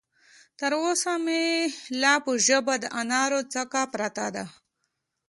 تر اوسه مې لا په ژبه د انارو څکه پرته ده.